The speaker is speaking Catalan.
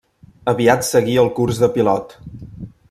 Aviat seguí el curs de pilot.